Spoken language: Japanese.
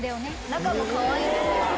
中もかわいいんです。